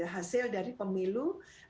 hasil dari pemilu